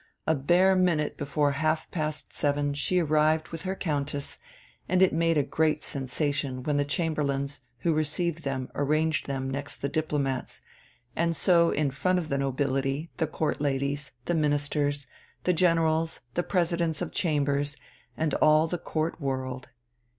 a bare minute before half past seven she arrived with her Countess; and it made a great sensation when the Chamberlains who received them arranged them next the diplomats, and so in front of the nobility, the Court ladies, the Ministers, the Generals, the Presidents of Chambers, and all the Court world.